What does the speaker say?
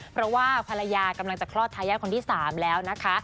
เพราะว่าภรรยากำลังจะคลอดทายาทคนที่๓แล้วนะคะ